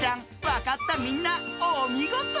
わかったみんなおみごと。